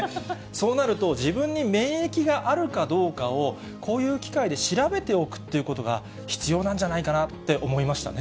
そうなると、自分に免疫があるかどうかをこういう機会で調べておくということが必要なんじゃないかなって思いましたね。